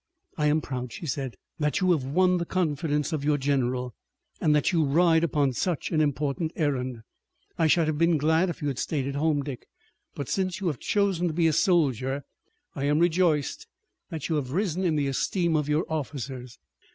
"I am proud," she said, "that you have won the confidence of your general, and that you ride upon such an important errand. I should have been glad if you had stayed at home, Dick, but since you have chosen to be a soldier, I am rejoiced that you have risen in the esteem of your officers.